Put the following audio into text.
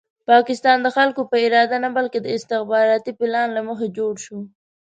پاکستان د خلکو په اراده نه بلکې د استخباراتي پلان له مخې جوړ شو.